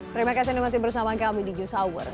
terima kasih anda masih bersama kami di news hour